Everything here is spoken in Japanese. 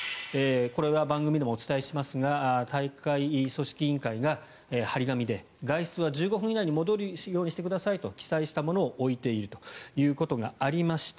これは番組でもお伝えしますが大会組織委員会が貼り紙で外出は１５分以内で戻るようにしてくださいと記載したものを置いているということがありました。